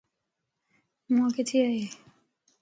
امان ڪٿي ائي